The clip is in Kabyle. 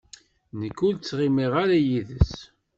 Nekk ur ttɣimiɣ ara yid-s.